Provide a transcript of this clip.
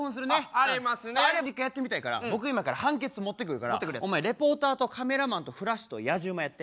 あれ一回やってみたいから僕今から判決持ってくるからお前レポーターとカメラマンとフラッシュとやじ馬やって。